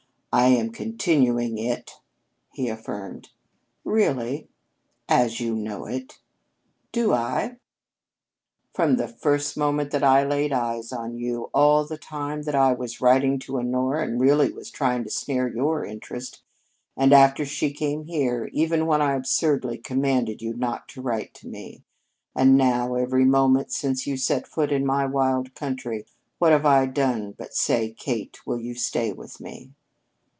"I am continuing it," he affirmed. "Really?" "And you know it." "Do I?" "From the first moment that I laid eyes on you, all the time that I was writing to Honora and really was trying to snare your interest, and after she came here, even when I absurdly commanded you not to write to me, and now, every moment since you set foot in my wild country, what have I done but say: 'Kate, will you stay with me?'"